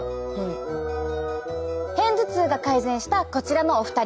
片頭痛が改善したこちらのお二人。